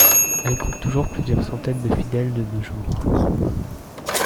Elle compte toujours plusieurs centaines de fidèles de nos jours.